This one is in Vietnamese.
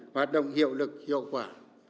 hoạt động hiệu lực hiệu quả